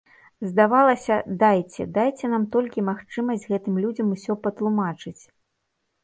Здавалася, дайце, дайце нам толькі магчымасць гэтым людзям усё патлумачыць!